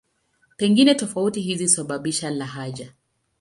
Pengine tofauti hizo husababisha lahaja.